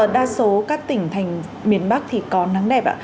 đa số các tỉnh thành miền bắc thì có nắng đẹp ạ